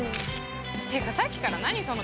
てかさっきから何そのかけ声？